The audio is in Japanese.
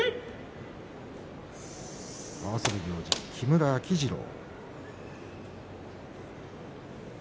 合わせる行司は木村秋治郎。